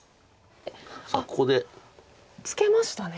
あっここでツケましたね。